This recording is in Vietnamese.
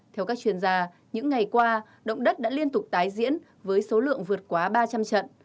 theo các chuyên gia những ngày qua động đất đã liên tục tái diễn với số lượng vượt quá ba trăm linh trận